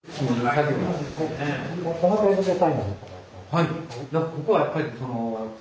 はい。